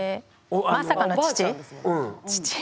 まさかの父父に。